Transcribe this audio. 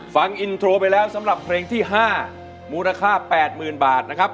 ฟังอินโทรไปแล้วสำหรับเพลงที่๕มูลค่า๘๐๐๐บาทนะครับ